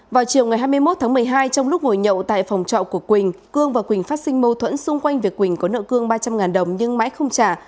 vào chiều ngày hai mươi một tháng một mươi hai trong lúc ngồi nhậu tại phòng trọ của quỳnh cương và quỳnh phát sinh mâu thuẫn xung quanh việc quỳnh có nợ cương ba trăm linh đồng nhưng mãi không trả